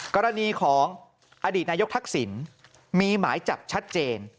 กรณีของอดีตนายกทักษิณมีหมายจับชัดเจน